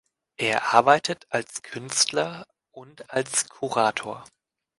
Er arbeitet als Künstler und als Kurator.